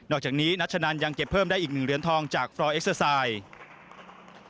อกจากนี้นัชนันยังเก็บเพิ่มได้อีก๑เหรียญทองจากฟรอเอ็กเซอร์ไซด์